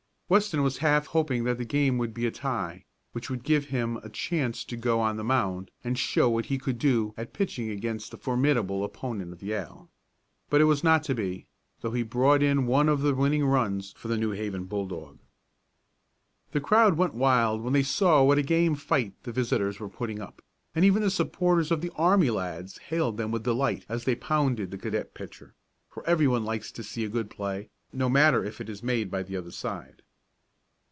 Weston was half hoping that the game would be a tie, which would give him a chance to go on the mound and show what he could do at pitching against a formidable opponent of Yale. But it was not to be, though he brought in one of the winning runs for the New Haven bulldog. The crowd went wild when they saw what a game fight the visitors were putting up, and even the supporters of the army lads hailed them with delight as they pounded the cadet pitcher, for everyone likes to see a good play, no matter if it is made by the other side.